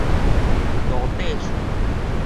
五塊厝